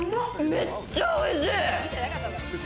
めっちゃおいしい！